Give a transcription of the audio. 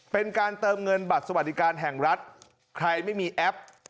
เป็นการเติมเงินบัตรสวัสดิการแห่งรัฐใครไม่มีแอป